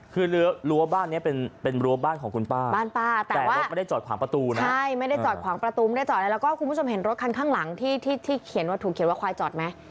คือรั้วบ้านเนี้ยเป็นเป็นรั้วบ้านของคุณป้าบ้านป้าแต่ว่ารถไม่ได้จอดขวางประตูนะใช่ไม่ได้จอดขวางประตูไม่ได้จอดอะไรแล้วก็คุณผู้ชมเห็นรถคันข้างหลังที่ที่เขียนว่าถูกเขียนว่าควายจอดไหม